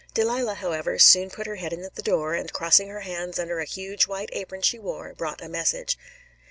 Delilah, however, soon put her head in the door, and, crossing her hands under a huge white apron she wore, brought a message.